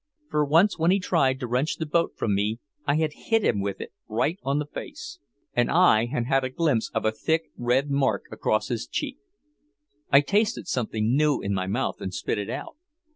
For once when he tried to wrench the boat from me I had hit him with it right on the face, and I had had a glimpse of a thick red mark across his cheek. I tasted something new in my mouth and spit it out.